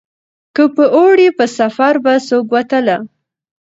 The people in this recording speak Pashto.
که په اوړي په سفر به څوک وتله